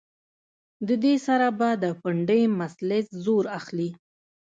د دې سره به د پنډۍ مسلز زور اخلي